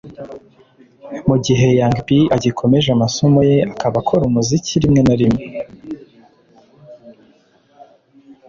Mu gihe Young P agikomeje amasomo ye akaba akora muzika rimwe na rimwe